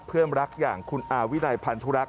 เพื่อนรักอย่างคุณอาวินัยพันธุรักษ